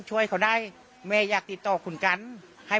จะทำยังไง